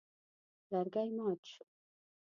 لرګی مات شو.